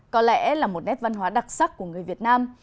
có lẽ là một nét văn hóa đặc sắc của người việt nam